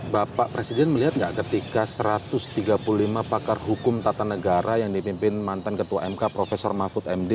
bapak presiden melihat nggak ketika satu ratus tiga puluh lima pakar hukum tata negara yang dipimpin mantan ketua mk prof mahfud md